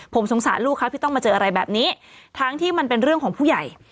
ผมสงสารลูกครับที่ต้องมาเจออะไรแบบนี้ทั้งที่มันเป็นเรื่องของผู้ใหญ่